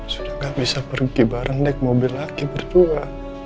sudah gak bisa pergi bareng naik mobil laki berdua